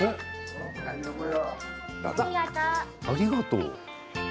ありがとう。